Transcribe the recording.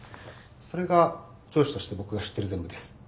それが上司として僕が知っている全部です。